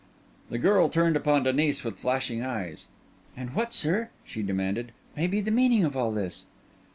The girl turned upon Denis with flashing eyes. "And what, sir," she demanded, "may be the meaning of all this?"